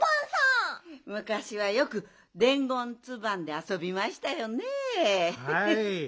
むかしはよくでんごんツバンであそびましたよねえ。